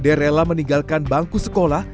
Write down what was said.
dia rela meninggalkan bangku sekolah